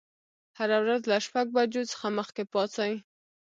هره ورځ له شپږ بجو څخه مخکې پاڅئ.